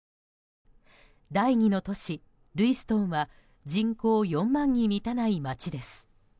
第２の都市、ルイストンは人口４万人に満たない街です。